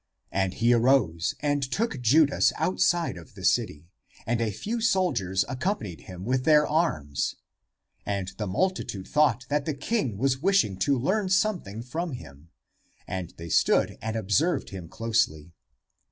And he arose, and took Judas outside of the city; and a few soldiers accommpanied him with their arms. And the multitude thought that the king was wishing to learn something from him; and they stood and observed him closely.